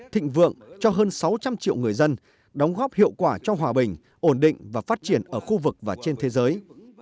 thịnh vượng cho hơn sáu trăm linh triệu người dân đóng góp hiệu quả cho hòa bình ổn định và phát triển ở khu vực và trên thế giới